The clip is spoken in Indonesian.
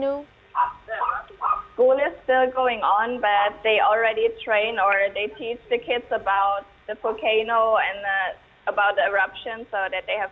sekolah masih berjalan jalan tapi mereka sudah berlatih atau mengajar anak anak